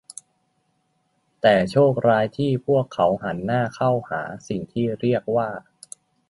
แต่โชคร้ายที่พวกเขาหันหน้าเขาหาสิ่งที่เรียกว่า